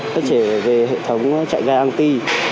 nó trễ về hệ thống chạy ga an ti